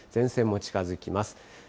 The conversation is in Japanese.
前線も近づきます。